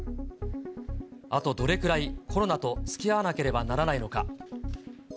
あとどれくらい、コロナと付き合わなければならないのか。